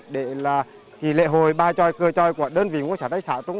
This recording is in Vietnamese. để lễ hội bài tròi cười tròi của đơn vị quốc gia tây sạng triều trung